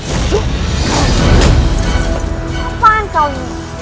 apaan kau ini